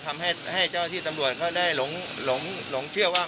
ก็แล้วแต่ที่จะทำให้เจ้าที่ตำรวจเขาได้หลงเชื่อว่า